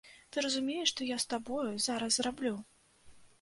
Ты разумееш, што я з табою зараз зраблю?!